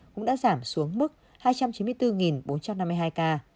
cũng đã giảm xuống mức hai trăm chín mươi bốn bốn trăm năm mươi hai ca